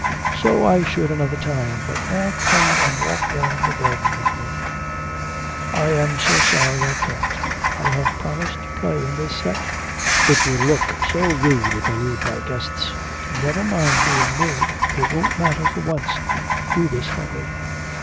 'So I should another time; but now come and walk round the garden with me.' 'I am so sorry I can't; I have promised to play in this set; it will look so rude if I leave my guests.' 'Never mind being rude; it won't matter for once. Do this for me.'